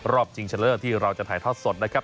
รอบจริงเฉลี่ยที่เราจะถ่ายท่อสดนะครับ